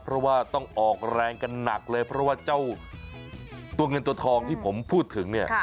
เพราะว่าต้องออกแรงกันหนักเลยเพราะว่าเจ้าตัวเงินตัวทองที่ผมพูดถึงเนี่ย